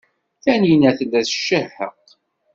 Taninna tella tcehheq.